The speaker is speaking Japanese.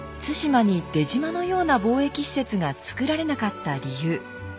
対馬に出島のような貿易施設がつくられなかった理由。